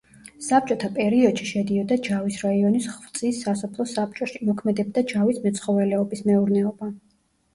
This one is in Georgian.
საბჭოთა პერიოდში შედიოდა ჯავის რაიონის ხვწის სასოფლო საბჭოში, მოქმედებდა ჯავის მეცხოველეობის მეურნეობა.